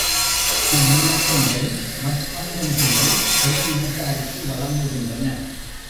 இவ்வினப் பெண்கள் மட்பாண்டம் செய்து பிற இனத்தாருக்கு வழங்குகின்றனர்.